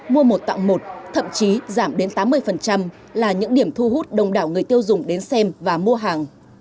mua một tặng một thậm chí giảm đến tám mươi là những điểm thu hút đông đảo người tiêu dùng đến xem và mua hàng